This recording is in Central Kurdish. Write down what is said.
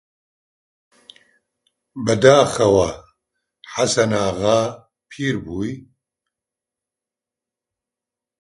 بەداخەوە خەسەناغا پیر بووی!